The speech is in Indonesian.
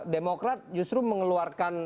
demokrat justru mengeluarkan